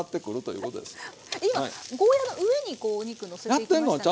今ゴーヤーの上にこうお肉のせていきましたね。